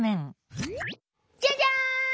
「じゃじゃん！